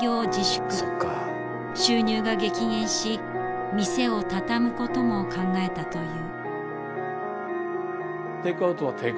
収入が激減し店を畳むことも考えたという。